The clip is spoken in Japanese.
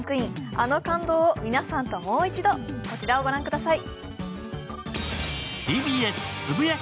あの感動を皆さんともう一度、こちらをご覧ください。